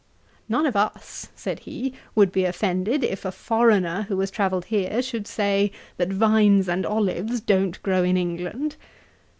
'None of us, (said he), would be offended if a foreigner who has travelled here should say, that vines and olives don't grow in England.'